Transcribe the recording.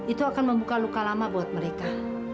itu akan membuka luka lama buat mereka